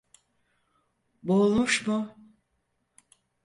Boğulmuş mu?